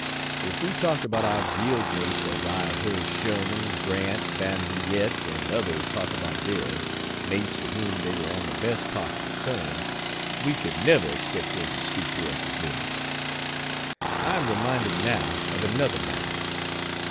If we talked about our guild mates as I have heard Sherman, Grant, Van Vliet and others talk about theirs mates with whom they were on the best possible terms we could never expect them to speak to us again. ....................... I am reminded, now, of another matter.